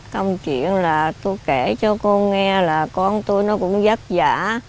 công chuyện là tôi kể cho cô nghe là con tôi nó cũng giấc giả